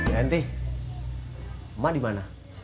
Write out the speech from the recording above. ya nanti emak dimana